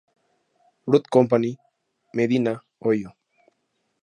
Root Company, Medina, Ohio.